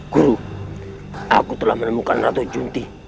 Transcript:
guru aku telah menemukan ratu junti